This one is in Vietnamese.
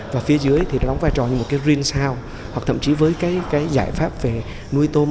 và phía dưới thì nó đóng vai trò như một cái green sound hoặc thậm chí với cái giải pháp về nuôi tôm